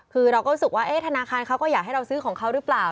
คือเราก็รู้สึกว่าธนาคารเขาก็อยากให้เราซื้อของเขาหรือเปล่า